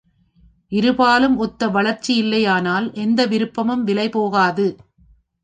இருபாலும் ஒத்த வளர்ச்சியில்லை யானால் எந்த விருப்பமும் விலை போகாது!